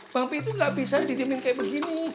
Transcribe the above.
bang pi tuh gak bisa didiamin kayak begini